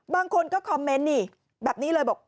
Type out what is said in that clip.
บางคนก็คอมเมนต์นี่แบบนี้เลยบอก